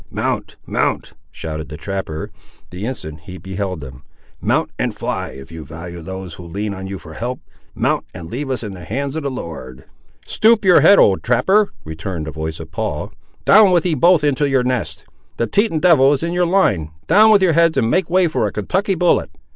"Mount, mount," shouted the trapper, the instant he beheld them; "mount and fly, if you value those who lean on you for help. Mount, and leave us in the hands of the Lord." "Stoop your head, old trapper," returned the voice of Paul, "down with ye both into your nest. The Teton devil is in your line; down with your heads and make way for a Kentucky bullet."